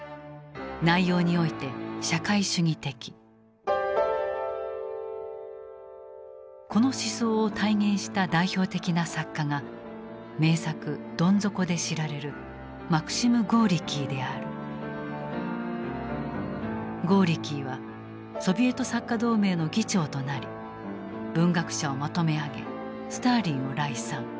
スローガンはこの思想を体現した代表的な作家が名作「どん底」で知られるゴーリキーはソビエト作家同盟の議長となり文学者をまとめ上げスターリンを礼賛。